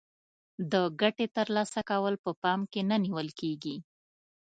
د ګټې تر لاسه کول په پام کې نه نیول کیږي.